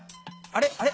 あれ？